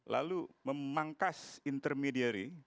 lalu memangkas intermediary